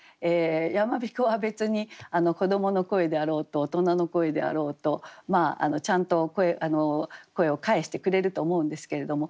山彦は別に子どもの声であろうと大人の声であろうとちゃんと声を返してくれると思うんですけれども。